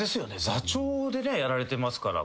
座長でねやられてますから。